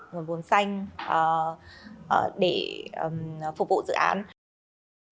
nguồn vốn xanh để phục vụ dự án